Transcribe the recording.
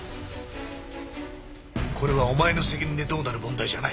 これはお前の責任でどうなる問題じゃない。